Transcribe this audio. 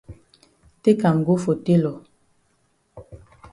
Take am go for tailor.